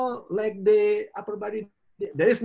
tidak ada hari maksudnya setiap hari